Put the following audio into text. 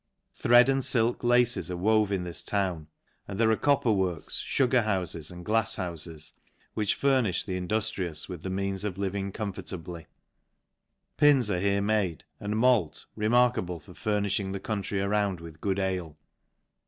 Thread and filk laces are wove in this town ; and there are copper works, fu ■gar hoVfes, and glafs houfes, which furnifh the in duftrious with the means of living comfortably. Pins are here made, and malt, remarkable for fur n idling the country around with good ale.